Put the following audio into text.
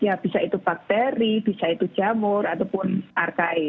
ya bisa itu bakteri bisa itu jamur ataupun arkai